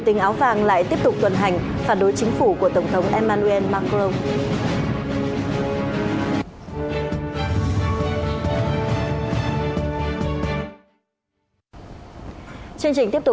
hẹn gặp lại tất cả các bạn trong những video tiếp theo